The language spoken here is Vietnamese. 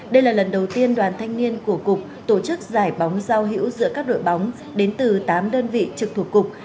đây là lần đầu tiên đoàn thanh niên của cục tổ chức giải bóng giao hữu giữa các đội bóng đến từ tám đơn vị trực thuộc cục